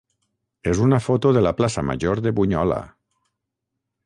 és una foto de la plaça major de Bunyola.